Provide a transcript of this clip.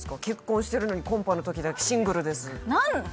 結婚してるのにコンパのときだけ「シングルです」